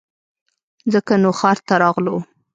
ځکه نو ښار ته راغلو